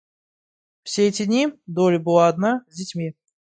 Все эти дни Долли была одна с детьми.